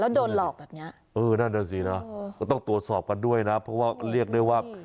แล้วโดนหลอกแบบเนี้ยเออนั่นน่ะสินะก็ต้องตรวจสอบกันด้วยนะเพราะว่าเรียกได้ว่า